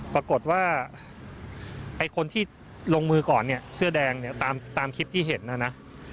ปรากฏว่าไอ้คนที่ลงมือก่อนเนี่ยเสื้อแดงเนี่ยตามคลิปที่เห็นนะนะ